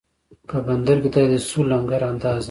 په بندر کې دا دی شو لنګر اندازه